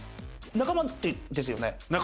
仲間ですよね？